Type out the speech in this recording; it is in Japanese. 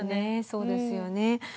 そうですよね。